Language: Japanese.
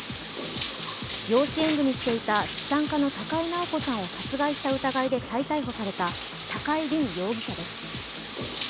養子縁組していた資産家の高井直子さんを殺害した疑いで再逮捕された高井凜容疑者です。